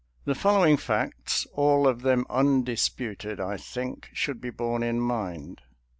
The following facts, all of them undisputed, I think, should be borne in mind.